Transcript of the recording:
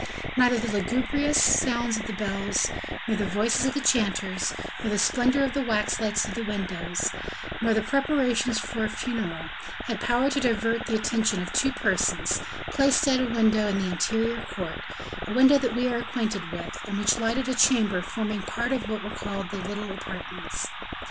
Neither the lugubrious sounds of the bells, nor the voices of the chanters, nor the splendor of the wax lights through the windows, nor the preparations for the funeral, had power to divert the attention of two persons, placed at a window of the interior court a window that we are acquainted with, and which lighted a chamber forming part of what were called the little apartments.